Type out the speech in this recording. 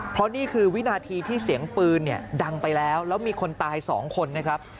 เพราะนี่คือวินาทีที่เสียงปืนเนี่ยดังไปแล้วแล้วมีคนตาย๒คนนะครับ